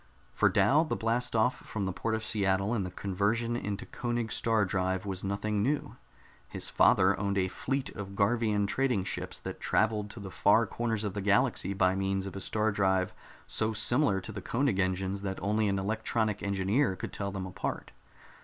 For Dal the blast off from the port of Seattle and the conversion into Koenig star drive was nothing new. His father owned a fleet of Garvian trading ships that traveled to the far corners of the galaxy by means of a star drive so similar to the Koenig engines that only an electronic engineer could tell them apart.